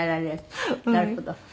なるほど。